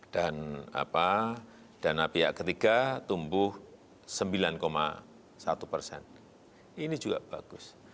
dan dana pihak ketiga tumbuh sembilan satu persen ini juga bagus